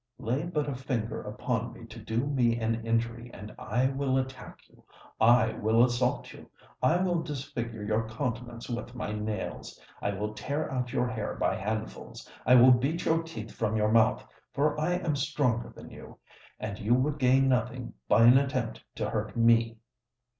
"Lay but a finger upon me to do me an injury, and I will attack you—I will assault you—I will disfigure your countenance with my nails—I will tear out your hair by handfuls—I will beat your teeth from your mouth;—for I am stronger than you—and you would gain nothing by an attempt to hurt me."